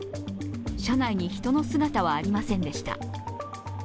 車内に人の姿はありませんでした。